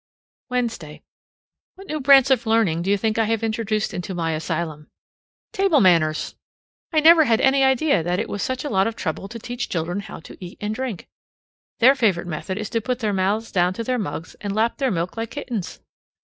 Wednesday. What new branch of learning do you think I have introduced into my asylum? Table manners! I never had any idea that it was such a lot of trouble to teach children how to eat and drink. Their favorite method is to put their mouths down to their mugs and lap their milk like kittens.